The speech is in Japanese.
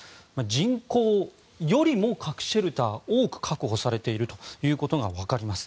人口よりも核シェルターが多く確保されているということが分かります。